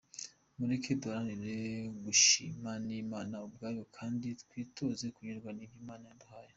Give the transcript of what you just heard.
Mureke duharanire gushimwa n’Imana ubwayo kandi twitoze kunyurwa n’ibyo Imana yaduhaye.